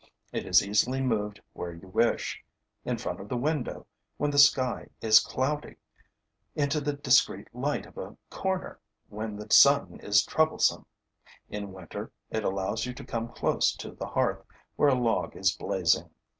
It is easily moved where you wish: in front of the window, when the sky is cloudy; into the discreet light of a corner, when the sun is troublesome. In winter, it allows you to come close to the hearth, where a log is blazing.